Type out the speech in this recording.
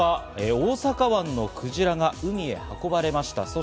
さあ、続いては大阪湾のクジラが海に運ばれました。